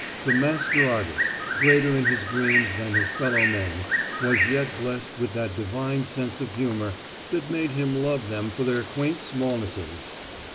The master artist, greater in his dreams than his fellow men, was yet blessed with that divine sense of humour that made him love them for their quaint smallnesses!